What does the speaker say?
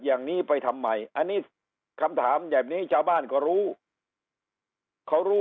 อย่างนี้ไปทำไมอันนี้คำถามแบบนี้ชาวบ้านก็รู้เขารู้